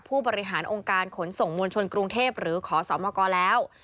ผู้บริหารองค์การขนส่งมวลชนกรุงเทพหรือขอสมกแล้ว